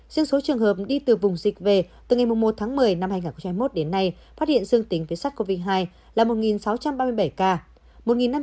riêng số trường hợp đi từ vùng dịch về từ ngày một tháng một mươi năm hai nghìn hai mươi một đến nay phát hiện dương tính với sars cov hai là một sáu trăm ba mươi bảy ca